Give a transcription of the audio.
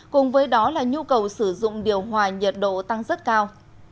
cùng với đó là nhu cầu sử dụng điều hòa nhiệt độ tăng rất cao